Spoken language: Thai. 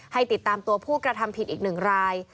ให้ติดตามตัวผู้กระทำผิดอีก๑ราย